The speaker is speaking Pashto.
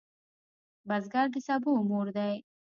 بزګر د سبو مور دی